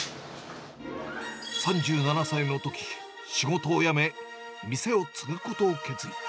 ３７歳のとき、仕事を辞め、店を継ぐことを決意。